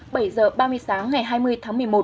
bảy h ba mươi sáng ngày hai mươi tháng một mươi một